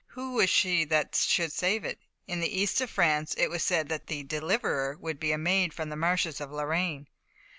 Who was she that should save it? In the east of France it was said that the deliverer would be a maid from the marshes of Lorraine.